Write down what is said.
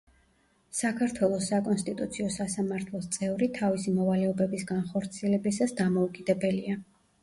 საქართველოს საკონსტიტუციო სასამართლოს წევრი თავისი მოვალეობების განხორციელებისას დამოუკიდებელია.